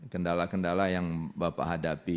kendala kendala yang bapak hadapi